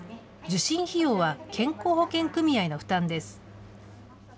受診費用は健康保険組合の負担です。